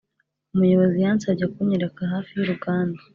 umuyobozi yansabye kunyereka hafi y'uruganda.